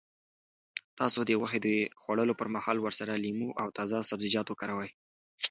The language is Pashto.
تاسو د غوښې د خوړلو پر مهال ورسره لیمو او تازه سبزیجات وکاروئ.